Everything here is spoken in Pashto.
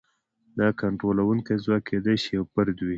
دا کنټرولونکی ځواک کېدای شي یو فرد وي.